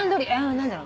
何だろう？